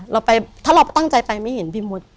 เราไปถ้าเราตั้งใจไปไม่เห็นพี่มด